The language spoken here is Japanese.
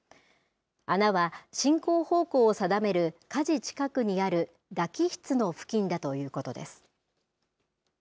穴は進行方向を定めるかじ近くにあるだ機室の付近だということです。